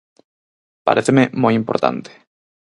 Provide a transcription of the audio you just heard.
Paréceme moi importante.